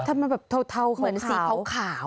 มันทำให้แบบเทาเหมือนสีขาว